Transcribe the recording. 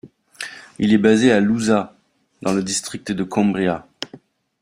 Il est basé à Lousã dans le District de Coimbra.